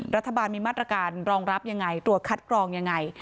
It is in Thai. รัฐบาลมีมาตรการรองรับยังไงตรวจคัดกรองยังไง